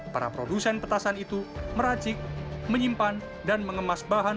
para produsen petasan itu meracik menyimpan dan mengemas bahan